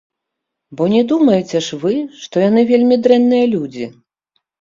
Бо не думаеце ж вы, што яны вельмі дрэнныя людзі!